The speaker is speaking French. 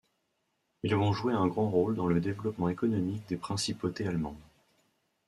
Ils vont jouer un grand rôle dans le développement économique des principautés allemandes.